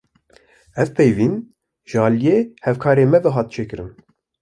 Ev hevpeyvîn, ji aliyê hevkarê me ve hate çêkirin